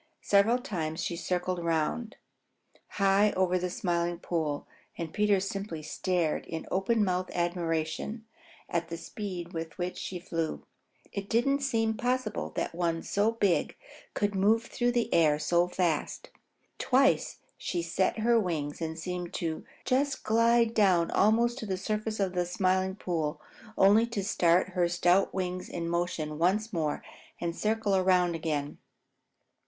Several times she circled around, high over the Smiling Pool, and Peter simply stared in open mouthed admiration at the speed with which she flew. It didn't seem possible that one so big could move through the air so fast. Twice she set her wings and seemed to just slide down almost to the surface of the Smiling Pool, only to start her stout wings in motion once more and circle around again.